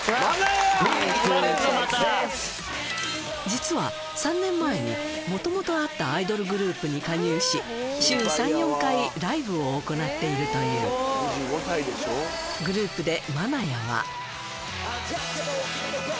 実は３年前に元々あったアイドルグループに加入し週３４回ライブを行っているというグループで